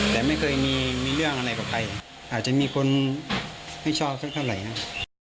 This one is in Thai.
แต่ไม่เคยมีเรื่องอะไรกับใครอาจจะมีคนไม่ชอบสักเท่าไหร่นะ